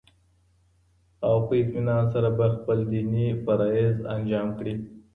او په اطمينان سره به خپل ديني فرايض انجام كړي